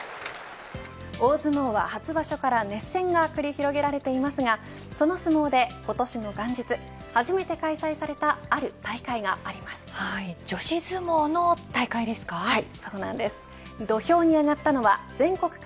大相撲は初場所から熱戦が繰り広げられていますがその相撲で今年の元日初めて開催された女子相撲の大会ですか。